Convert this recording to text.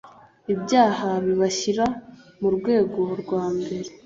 ibyaha bibashyira mu rwego rwa mbere